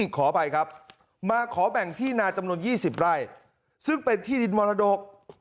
ขออภัยครับมาขอแบ่งที่นาจำนวน๒๐ไร่ซึ่งเป็นที่ดินมรดก